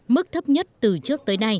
mức thấp nhất từ trước